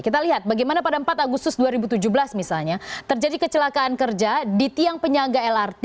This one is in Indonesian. kita lihat bagaimana pada empat agustus dua ribu tujuh belas misalnya terjadi kecelakaan kerja di tiang penyangga lrt